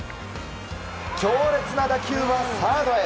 強烈な打球はサードへ。